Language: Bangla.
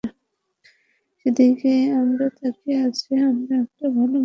সেদিকেই আমরা তাকিয়ে আছি, আমরা একটা ভালো ম্যাচ খেলে জিততে চাই।